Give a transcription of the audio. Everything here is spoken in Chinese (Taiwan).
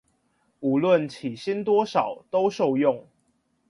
無論起薪多少都受用